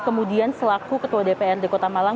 kemudian selaku ketua dprd kota malang